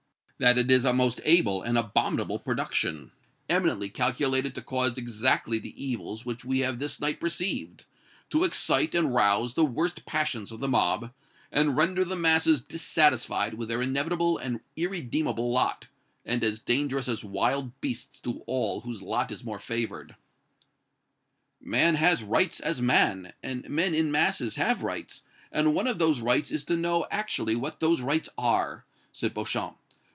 "That it is a most able and abominable production, eminently calculated to cause exactly the evils which we have this night perceived to excite and rouse the worst passions of the mob, and render the masses dissatisfied with their inevitable and irredeemable lot, and as dangerous as wild beasts to all whose lot is more favored." "Man has rights as man, and men in masses have rights, and one of those rights is to know actually what those rights are," said Beauchamp.